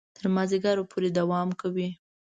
تر مازیګره پورې دوام کوي.